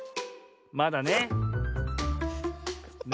まだね。